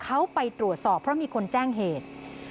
เขาไปตรวจสอบเพราะมีคนแจ้งเหตุ